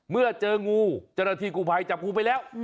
เมื่อเจองูจรฐีกูภัยจับงูไปแล้ว